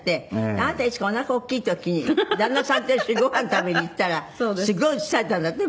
あなたいつかおなか大きい時に旦那さんと一緒にごはん食べに行ったらすごい写されたんだって？